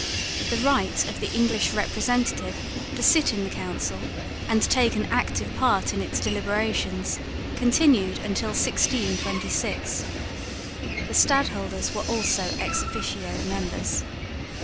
The right of the English representative to sit in the Council and take an active part in its deliberations continued till 1626. The Stadholders were also ex officio members.